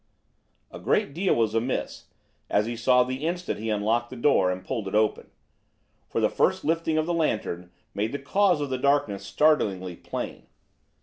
A great deal was amiss, as he saw the instant he unlocked the door and pulled it open, for the first lifting of the lantern made the cause of the darkness startlingly plain.